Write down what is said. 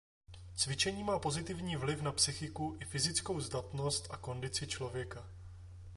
Cvičení má pozitivní vliv na psychiku i fyzickou zdatnost a kondici člověka.